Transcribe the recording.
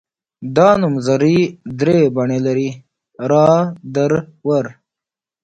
دا نومځري درې بڼې لري را در ور.